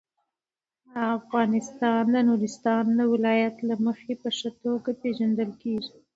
افغانستان د نورستان د ولایت له مخې په ښه توګه پېژندل کېږي.